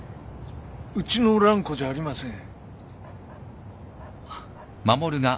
うちの蘭子じゃありません。